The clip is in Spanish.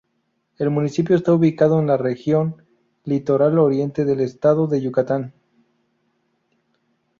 El municipio está ubicado en la región Litoral Oriente del estado de Yucatán.